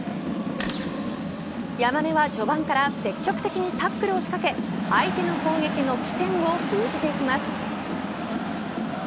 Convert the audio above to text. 山根は序盤から積極的にタックルを仕掛け相手の攻撃の起点を封じていきます。